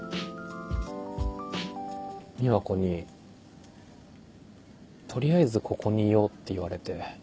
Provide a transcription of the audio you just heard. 美和子に「取りあえずここにいよう」って言われて。